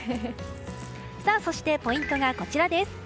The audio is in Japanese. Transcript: そして、ポイントがこちらです。